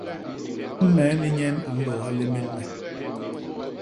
Meeni nyen a nlôôha lémél me.